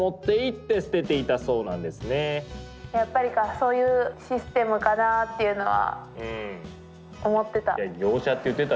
そういうシステムかなっていうのは思ってた。